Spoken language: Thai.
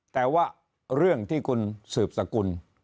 แต่ว่าเรื่องที่คุณสืบสกุล